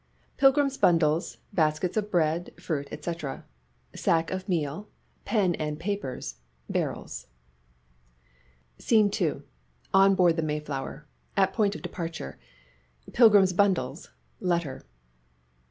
Pilgrims' bundles, baskets of bread, fruit, &c. Sack of meal, pen and papers, barrels. 6 PROPERTIES SCENE II. "ON BOARD THE 'MAYFLOWER' AT POINT OF DEPARTURE." Pilgrims' bundles, letter.